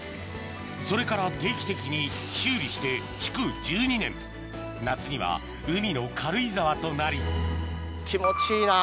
それから定期的に修理して築１２年夏には海の軽井沢となり気持ちいいな。